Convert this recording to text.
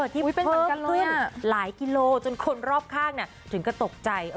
ที่เป็นมันก็ขึ้นหลายกิโลจนคนรอบข้างถึงก็ตกใจ